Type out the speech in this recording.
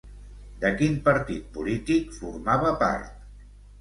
De quin partit polític formava part?